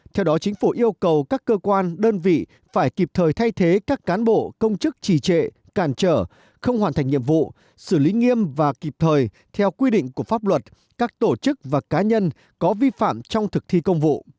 theo đó chính phủ yêu cầu các cơ quan đơn vị phải kịp thời thay thế các cán bộ công chức trì trệ cản trở không hoàn thành nhiệm vụ xử lý nghiêm và kịp thời theo quy định của pháp luật các tổ chức và cá nhân có vi phạm trong thực thi công vụ